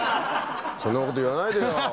そんなこと言わないでよ。